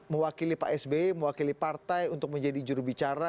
mewakili pak sbe mewakili partai untuk menjadi jurubicara